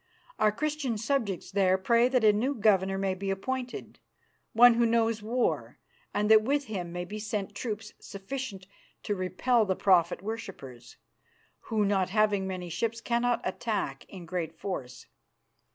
Our Christian subjects there pray that a new governor may be appointed, one who knows war, and that with him may be sent troops sufficient to repel the prophet worshippers, who, not having many ships, cannot attack in great force.